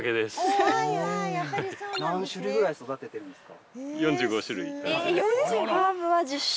何種類ぐらい育ててるんですか？